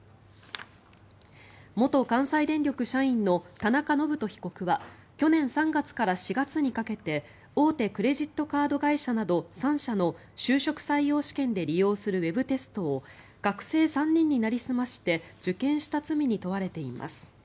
元関西電力社員の田中信人被告は去年３月から４月にかけて大手クレジットカード会社など３社の就職採用試験で利用するウェブテストを学生３人になりすまして受験した罪に問われています。